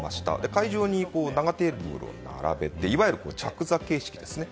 会場に長テーブルを並べていわゆる着座形式ですね。